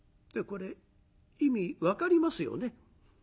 これ意味分かりますよね？